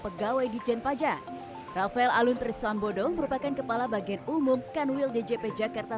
pegawai dijen pajak rafael alun trisambodo merupakan kepala bagian umum kanwil djp jakarta